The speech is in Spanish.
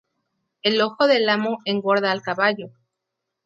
El ojo del amo engorda al caballo